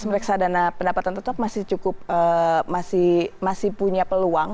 reksadana pendapatan tetap masih cukup masih punya peluang